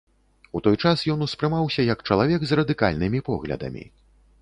У той час ён успрымаўся як чалавек з радыкальнымі поглядамі.